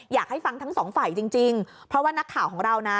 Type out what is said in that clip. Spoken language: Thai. อยากให้ฟังทั้งสองฝ่ายจริงจริงเพราะว่านักข่าวของเรานะ